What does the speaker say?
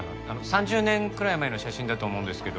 ３０年くらい前の写真だと思うんですけど。